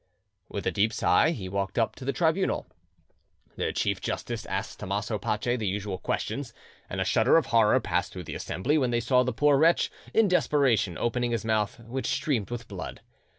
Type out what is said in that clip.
With a deep sigh he walked up to the tribunal. The chief justice asked Tommaso Pace the usual questions, and a shudder of horror passed through the assembly when they saw the poor wretch in desperation opening his mouth, which streamed with blood.